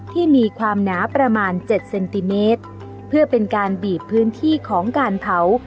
ที่มีความหนาประมาณเจ็ดเซนติเมตรเพื่อเป็นการบีบพื้นที่ของการเผา